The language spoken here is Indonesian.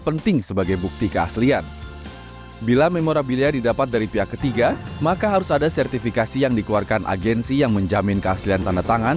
sehingga aplikasi ini polisi mengidir club united ini menyuruh closure dan kehem dicegok bagu trn untuk hutan batu